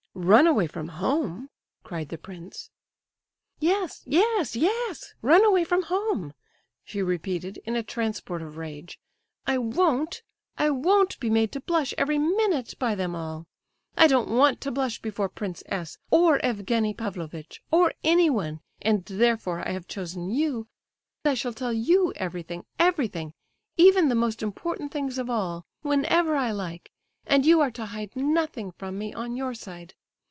"Run away from home?" cried the prince. "Yes—yes—yes! Run away from home!" she repeated, in a transport of rage. "I won't, I won't be made to blush every minute by them all! I don't want to blush before Prince S. or Evgenie Pavlovitch, or anyone, and therefore I have chosen you. I shall tell you everything, everything, even the most important things of all, whenever I like, and you are to hide nothing from me on your side.